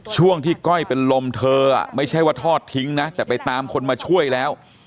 ช่วงที่ก้อยเป็นลมเธอไม่ใช่ว่าทอดทิ้งนะแต่ไปตามคนมาช่วยแล้ว